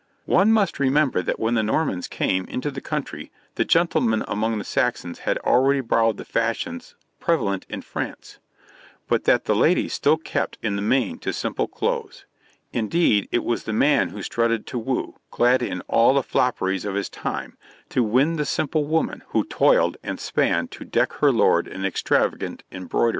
One must remember that when the Normans came into the country the gentlemen among the Saxons had already borrowed the fashions prevalent in France, but that the ladies still kept in the main to simple clothes; indeed, it was the man who strutted to woo clad in all the fopperies of his time to win the simple woman who toiled and span to deck her lord in extravagant embroideries.